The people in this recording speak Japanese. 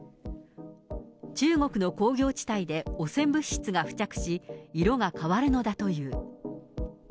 中国の工業地帯で汚染物質が付着し、色が変わるのだという。